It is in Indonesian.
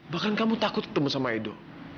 bahkan kamu takut ketemu sama edo